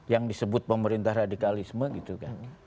yang disebut pemerintah radikalisme gitu kan